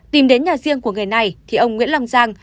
tìm đến nhà riêng của người này thì ông nguyễn lâm giang